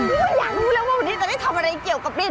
อยากรู้แล้วว่าวันนี้ตอนนี้ทำอะไรเกี่ยวกับดิน